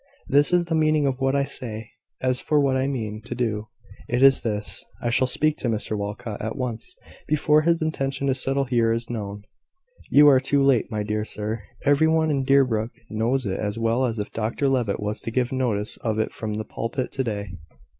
This is the meaning of what I say. As for what I mean to do it is this. I shall speak to Mr Walcot at once, before his intention to settle here is known." "You are too late, my dear sir. Every one in Deerbrook knows it as well as if Dr Levitt was to give notice of it from the pulpit to day."